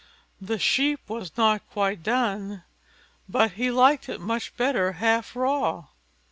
The sheep was not quite done, but he liked it much better half raw.